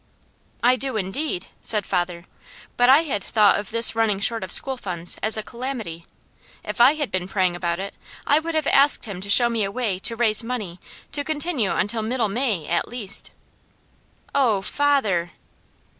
"I do indeed!" said father. "But I had thought of this running short of school funds as a calamity. If I had been praying about it, I would have asked Him to show me a way to raise money to continue until middle May at least." "Oh father!"